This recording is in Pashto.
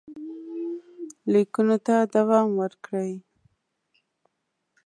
لیکونو ته دوام ورکړئ.